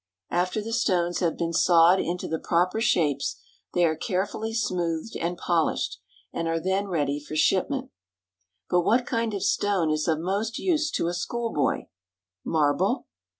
After the stones have been sawed into the proper shapes they are carefully smoothed and polished, and are then ready for shipment. But what kind of stone is of most use to a schoolboy? Marble?